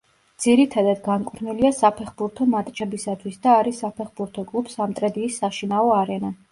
ძირითადად განკუთვნილია საფეხბურთო მატჩებისათვის და არის საფეხბურთო კლუბ „სამტრედიის“ საშინაო არენა.